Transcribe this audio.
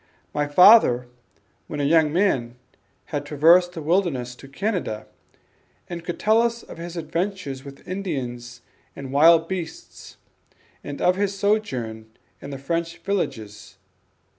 My father when a young man had traversed the wilderness to Canada, and could tell us of his adventures with Indians and wild beasts, and of his sojourn in the French villages.